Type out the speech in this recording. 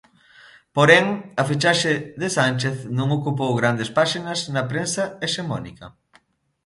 Porén, a fichaxe de Sánchez non ocupou grandes páxinas na prensa hexemónica.